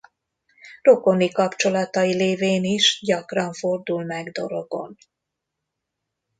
Rokoni kapcsolatai lévén is gyakran fordul meg Dorogon.